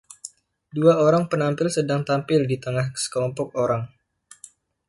Dua orang penampil sedang tampil di tengah sekelompok orang.